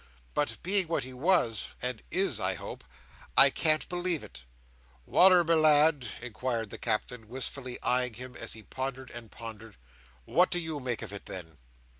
But, being what he was—and is, I hope—I can't believe it." "Wal"r, my lad," inquired the Captain, wistfully eyeing him as he pondered and pondered, "what do you make of it, then?"